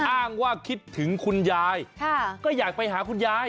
อ้างว่าคิดถึงคุณยายก็อยากไปหาคุณยาย